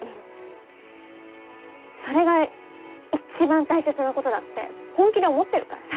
それが一番大切なことだって本気で思ってるからさ。